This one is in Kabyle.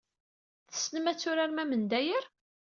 Tessnem ad turarem amendayer?